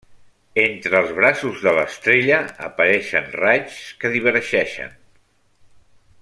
Entre els braços de l'estrella apareixen raigs que divergeixen.